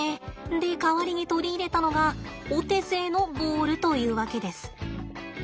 で代わりに取り入れたのがお手製のボールというわけです。